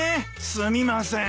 すみません。